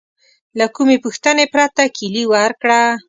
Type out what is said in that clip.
له کومې پوښتنې پرته کیلي ورکړه.